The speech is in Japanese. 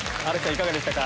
いかがでしたか？